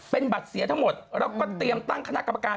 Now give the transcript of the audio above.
เป็นบัตรเสียทั้งหมดแล้วก็เตรียมตั้งคณะกรรมการ